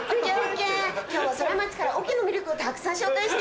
今日はソラマチから桶の魅力をたくさん紹介して行くよ。